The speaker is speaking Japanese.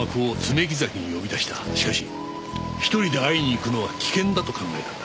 しかし１人で会いに行くのは危険だと考えたんだ。